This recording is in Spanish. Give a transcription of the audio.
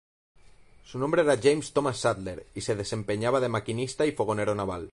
Su nombre era James Thomas Sadler, y se desempeñaba de maquinista y fogonero naval.